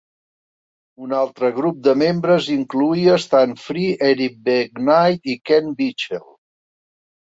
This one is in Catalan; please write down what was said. Un altre grup de membres incloïa Stan Free, Eric B. Knight i Ken Bichel.